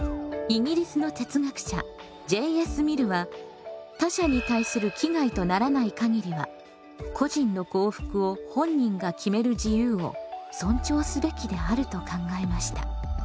イギリスの哲学者Ｊ．Ｓ．ミルは他者に対する危害とならないかぎりは個人の幸福を本人が決める自由を尊重すべきであると考えました。